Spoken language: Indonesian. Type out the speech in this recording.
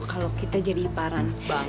kalau kita jadi iparan